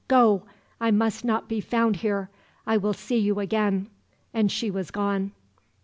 Go! I must not be found here. I will see you again," and she was gone.